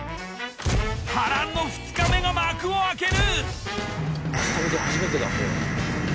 波乱の２日目が幕を開ける！